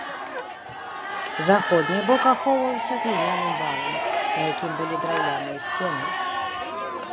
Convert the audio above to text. Заходні бок ахоўваўся гліняным валам, на якім былі драўляныя сцены.